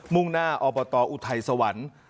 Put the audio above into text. ่งหน้าอบตอุทัยสวรรค์